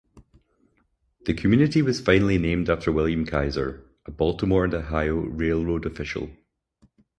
The community was finally named after William Keyser, a Baltimore and Ohio Railroad official.